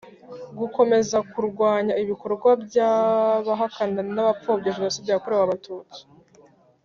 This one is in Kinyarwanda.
gukomeza kurwanya ibikorwa by abahakana n abapfobya jenoside yakorewe abatutsi